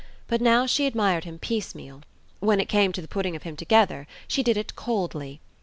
But now she admired him piecemeal. When it came to the putting of him together, she did it coldly.